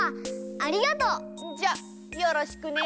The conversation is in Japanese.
ありがとう！じゃよろしくね。